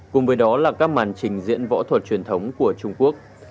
cùng với đó là các màn trình diễn võ thuật truyền thống của trung quốc